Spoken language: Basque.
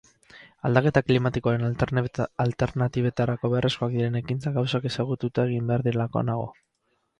Aldaketa klimatikoaren alternatibetarako beharrezkoak diren ekintzak gauzak ezagututa egin behar direlakoan nago.